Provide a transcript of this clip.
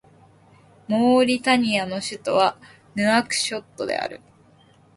モーリタニアの首都はヌアクショットである